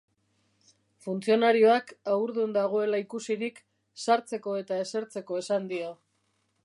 Funtzionarioak, haurdun dagoela ikusirik, sartzeko eta esertzeko esan dio.